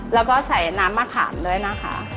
แล้วก็ใส่น้ำมะขามด้วยนะคะ